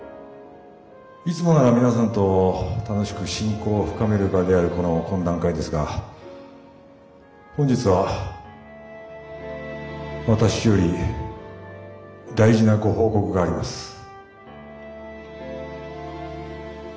いつもなら皆さんと楽しく親交を深める場であるこの懇談会ですが本日は私より大事なご報告があります。